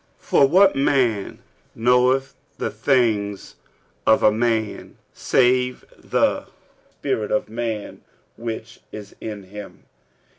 46:002:011 For what man knoweth the things of a man, save the spirit of man which is in him?